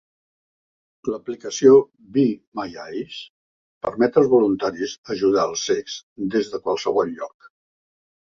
L'aplicació Be My Eyes permet als voluntaris ajudar als cecs des de qualsevol lloc.